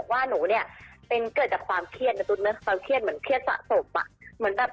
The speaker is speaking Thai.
ถ้าเมื่อไหนที่หนูนอนแล้วไม่หลับ